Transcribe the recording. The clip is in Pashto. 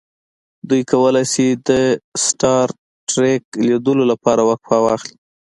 دوی کولی شي د سټار ټریک لیدلو لپاره وقفه واخلي